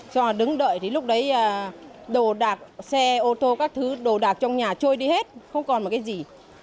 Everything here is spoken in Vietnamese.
xong là đứng đợi thì lúc đấy đồ đạc xe ô tô các thứ đồ đạc trong nhà trôi đi hết không còn một cái gì